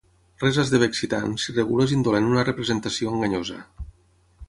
Res esdevé excitant si regules indolent una representació enganyosa.